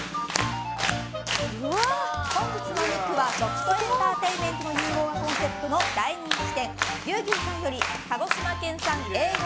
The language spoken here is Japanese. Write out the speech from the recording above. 本日のお肉は、食とエンターテインメントの融合がコンセプトの大人気店牛牛さんより鹿児島県産Ａ５